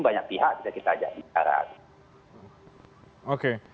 banyak pihak kita ajak di arah